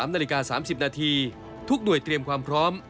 ๓นาฬิกา๓๐นาทีทุกหน่วยเตรียมความพร้อม